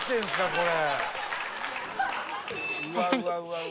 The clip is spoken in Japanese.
これ」